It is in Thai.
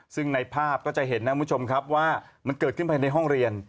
ซึ่งในภาพก็จะเห็นนะมันเกิดที่เป็นในห้องเรียน